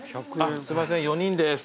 すいません４人です。